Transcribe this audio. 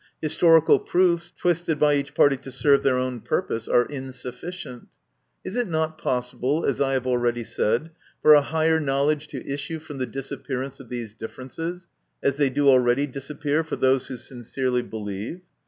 Historical proofs, twisted by each party to serve their own purpose, are insufficient. Is it not possible, as I have already said, for a higher knowledge to issue from the disappearance of these differences, as they do already disappear for those who sincerely believe?